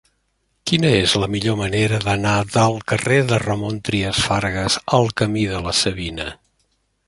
Quina és la millor manera d'anar del carrer de Ramon Trias Fargas al camí de la Savina?